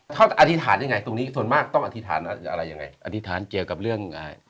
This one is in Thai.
ถ้าอธิษฐานยังไงตรงนี้ส่วนมากต้องอธิษฐานอะไรยังไงอธิษฐานเกี่ยวกับเรื่องอ่า